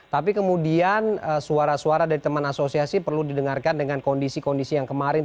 tapi kemudian suara suara dari teman asosiasi perlu didengarkan dengan kondisi kondisi yang kemarin